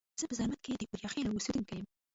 زه په زرمت کې د اوریاخیلو اوسیدونکي یم.